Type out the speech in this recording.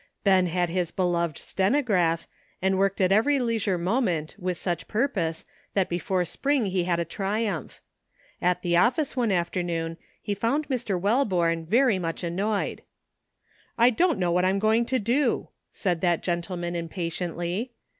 Ben had his beloved stenograph, and worked at every leisure moment with such purpose that before spring he had a triumph. At the office one afternoon he found Mr. Welborne very much annoyed. "I don't know what I'm going to do," said 343 344 ANOTHER *' SIDE TRACK.'' that gentleman impatiently.